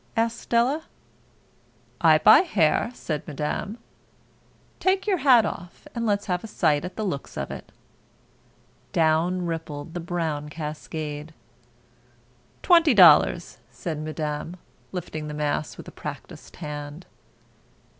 asked Della. "I buy hair," said Madame. "Take yer hat off and let's have a sight at the looks of it." Down rippled the brown cascade. "Twenty dollars," said Madame, lifting the mass with a practised hand.